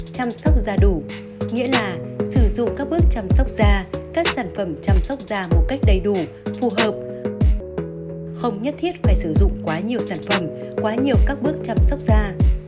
chăm sóc da đủ nghĩa là sử dụng các bước chăm sóc da các sản phẩm chăm sóc da một cách đầy đủ phù hợp không nhất thiết phải sử dụng quá nhiều sản phẩm quá nhiều các bước chăm sóc da